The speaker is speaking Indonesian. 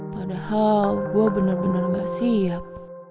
padahal gue bener bener gak siap